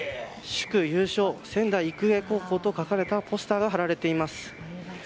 「祝優勝仙台育英高校」と書かれたポスターが貼られています。